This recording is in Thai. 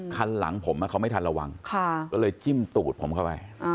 คันหลังผมเขาไม่ทันระวังก็เลยจิ้มตูดผมเข้าไป